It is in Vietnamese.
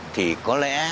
thì có lẽ